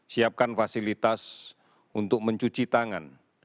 siapkan fasilitas untuk mencuci tangan